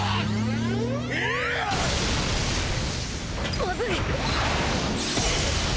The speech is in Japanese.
まずい。